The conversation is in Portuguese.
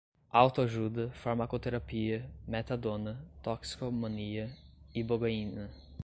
autoajuda, farmacoterapia, metadona, toxicomania, ibogaína